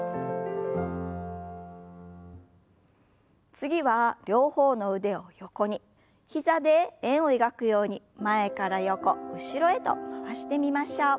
次は両方の腕を横に膝で円を描くように前から横後ろへと回してみましょう。